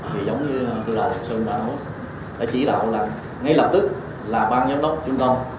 thì giống như thư đạo sơn đã nói đã chỉ đạo là ngay lập tức là bang giám đốc trung tông